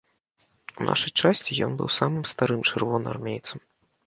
У нашай часці ён быў самым старым чырвонаармейцам.